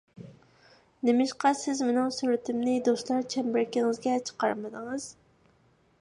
نېمىشقا سىز مىنىڭ سۈرىتىمنى دوستلار چەمبىرىكىڭىزگە چىقارمىدىڭىز؟